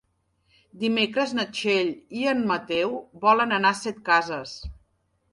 Dimecres na Txell i en Mateu volen anar a Setcases.